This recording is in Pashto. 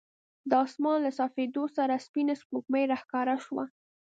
د اسمان له صافېدو سره سپینه سپوږمۍ راښکاره شوه.